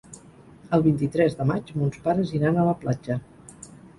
El vint-i-tres de maig mons pares iran a la platja.